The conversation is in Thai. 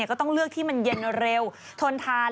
ก็ต้องเลือกที่มันเย็นเร็วทนทาน